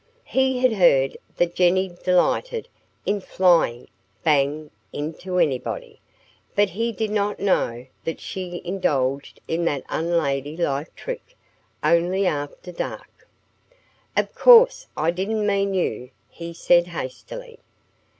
He had heard that Jennie delighted in flying bang into anybody. But he did not know that she indulged in that unladylike trick only after dark. "Of course I didn't mean you!" he said hastily.